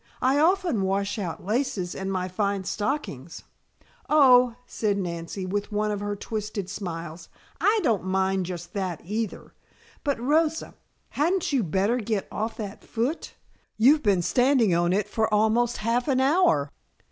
"I often wash out laces and my fine stockings " "Oh," said Nancy with one of her twisted smiles, "I don't mind just that, either. But Rosa, hadn't you better get off that foot? You've been standing on it for almost half an hour."